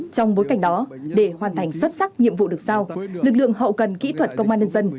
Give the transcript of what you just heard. trong bối cảnh đó để hoàn thành xuất sắc nhiệm vụ được sao lực lượng hậu cần kỹ thuật công an nhân dân